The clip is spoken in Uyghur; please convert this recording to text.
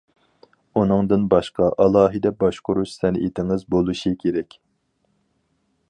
ئۇنىڭدىن باشقا ئالاھىدە باشقۇرۇش سەنئىتىڭىز بولۇشى كېرەك.